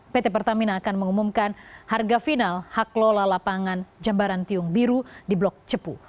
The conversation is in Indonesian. pt pertamina akan mengumumkan harga final hak lola lapangan jambaran tiung biru di blok cepu